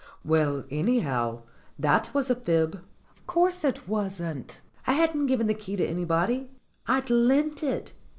"Well, anyhow, that was a fib." "Of course it wasn't. I hadn't given the key to anybody. I'd lent it.